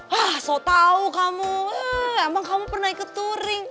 hah so tau kamu emang kamu pernah ikut touring